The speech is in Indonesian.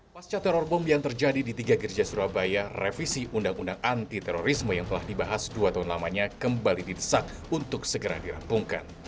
pasca teror bom yang terjadi di tiga gereja surabaya revisi undang undang anti terorisme yang telah dibahas dua tahun lamanya kembali didesak untuk segera dirampungkan